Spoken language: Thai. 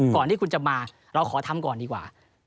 ก่อนที่คุณจะมาเราขอทำก่อนดีกว่า